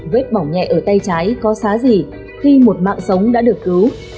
vết bỏng nhẹ ở tay trái có xá gì khi một mạng sống đã được cứu